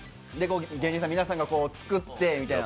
芸人さん皆さんが作ってという。